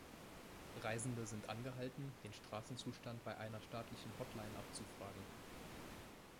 Reisende sind angehalten, den Straßenzustand bei einer staatlichen Hotline abzufragen.